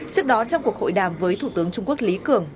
trước đó trong cuộc hội đàm với thủ tướng trung quốc lý cường